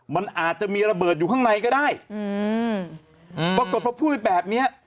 มันอาจจะมีระเบิดอยู่ข้างในก็ได้อืมปรากฏพอพูดแบบเนี้ย